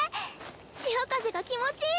潮風が気持ちいい。